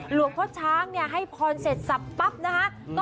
หลวงพ่อช้างเนี่ยให้พรเสร็จสับปั๊บนะคะ